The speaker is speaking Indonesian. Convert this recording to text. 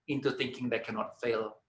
untuk berpikir mereka tidak bisa gagal